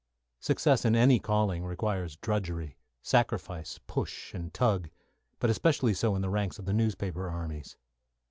Success in any calling means drudgery, sacrifice, push, and tug, but especially so in the ranks of the newspaper armies.